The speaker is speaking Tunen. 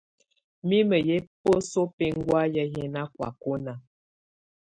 Mimǝ yɛ̀ biǝ́suǝ́ bɛ̀ŋgɔ̀áyɛ̀ yɛ nà kɔ̀ákɔna.